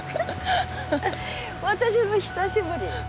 私も久しぶり。